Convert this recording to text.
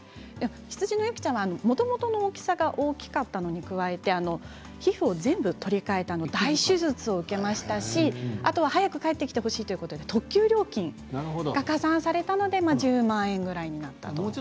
羊のユキちゃんはもともとの大きさが大きかったのに加えて皮膚を全部取り替えて大手術を受けましたし早く帰ってきてほしいということで特急料金が加算されたので１０万円ぐらいになったと。